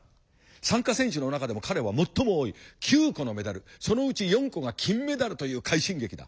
参加選手の中でも彼は最も多い９個のメダルそのうち４個が金メダルという快進撃だ。